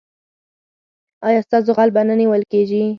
ایا ستاسو غل به نه نیول کیږي؟